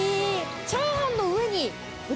チャーハンの上に。